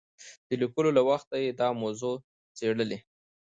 د لیکلو له وخته یې دا موضوع څېړلې.